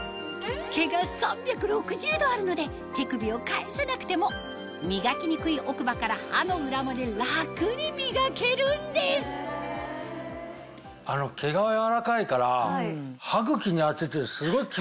毛が３６０度あるので手首を返さなくても磨きにくい奥歯から歯の裏まで楽に磨けるんですすごい。